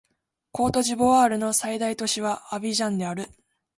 コートジボワールの最大都市はアビジャンである